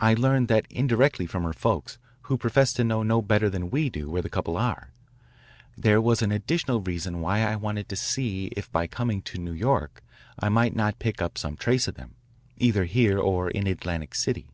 I learned that indirectly from her folks, who profess to know no better than we do where the couple are. That was an additional reason why I wanted to see if by coming to New York I might not pick up some trace of them, either here or in Atlantic City."